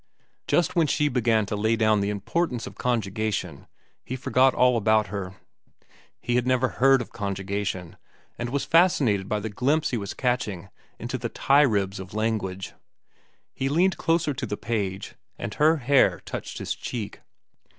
But when she began to lay down the importance of conjugation, he forgot all about her. He had never heard of conjugation, and was fascinated by the glimpse he was catching into the tie ribs of language. He leaned closer to the page, and her hair touched his cheek.